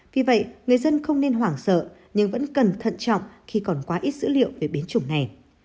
vì vậy người dân không nên hoảng sợ nhưng vẫn cần thận trọng khi còn quá ít dữ liệu về biến chủng này